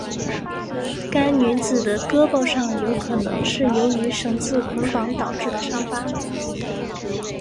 该女子的胳膊上有可能是由于绳子捆绑导致的伤疤。